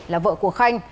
là vợ của khanh